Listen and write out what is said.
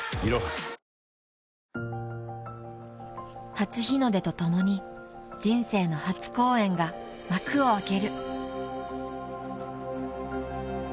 ［初日の出と共に人生の初公演が幕を開ける］